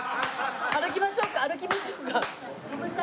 歩きましょうか歩きましょうか。